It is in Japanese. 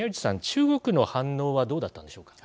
中国の反応はどうだったんでしょうか。